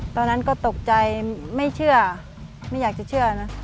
ตอนนั้นก็ตกใจไม่เชื่อไม่อยากจะเชื่อนะ